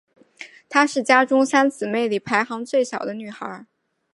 她是家中三姊妹里排行最小的女孩。